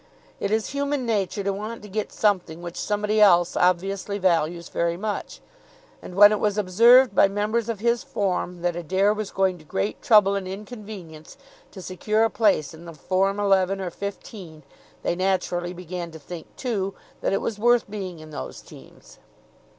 It is human nature to want to get something which somebody else obviously values very much; and when it was observed by members of his form that Adair was going to great trouble and inconvenience to secure a place in the form eleven or fifteen, they naturally began to think, too, that it was worth being in those teams.